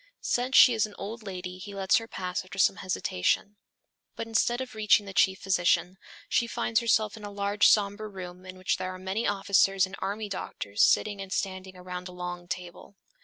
Since she is an old lady he lets her pass after some hesitation. But instead of reaching the chief physician, she finds herself in a large somber room in which there are many officers and army doctors sitting and standing around a long table.